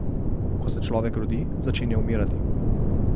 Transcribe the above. Ko se človek rodi, začenja umirati.